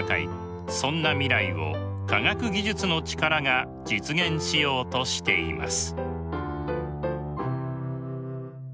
そんな未来を科学技術の力が実現しようとしています。